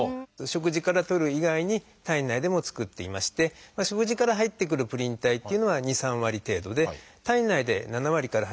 食事からとる以外に体内でも作っていまして食事から入ってくるプリン体っていうのは２３割程度で体内で７割から